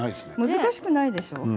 難しくないでしょ。